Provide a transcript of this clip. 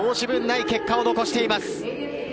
申し分ない結果を残しています。